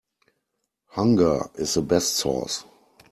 Hunger is the best sauce.